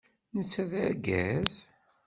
Netta d argaz?